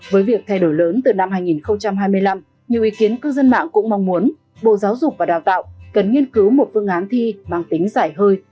với việc thay đổi lớn từ năm hai nghìn hai mươi năm nhiều ý kiến cư dân mạng cũng mong muốn bộ giáo dục và đào tạo cần nghiên cứu một phương án thi mang tính giải hơi